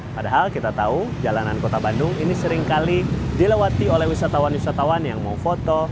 padahal kita tahu jalanan kota bandung ini seringkali dilewati oleh wisatawan wisatawan yang mau foto